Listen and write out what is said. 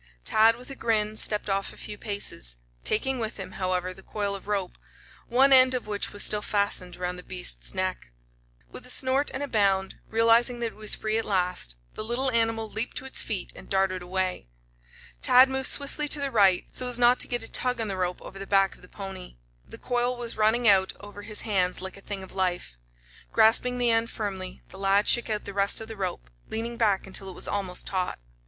Tad, with a grin, stepped off a few paces, taking with him, however, the coil of rope, one end of which was still fastened around the beast's neck. With a snort and a bound, realizing that it was free at last, the little animal leaped to its feet and darted away. Tad moved swiftly to the right, so as not to get a tug on the rope over the back of the pony. The coil was running out over his hands like a thing of life. Grasping the end firmly, the lad shook out the rest of the rope, leaning back until it was almost taut.